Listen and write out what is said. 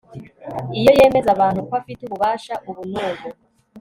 iyo yemeza abantu ko afite ububasha ubu n'ubu